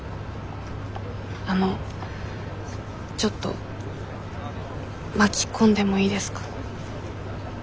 あのちょっと巻き込んでもいいですか？